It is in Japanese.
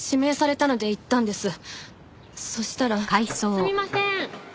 すみません。